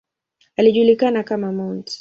Alijulikana kama ""Mt.